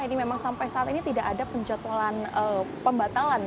ini memang sampai saat ini tidak ada pembatalan